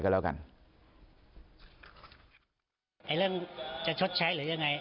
ก็แล้วกันไอ้เรื่องจะชดใช้หรือยังไง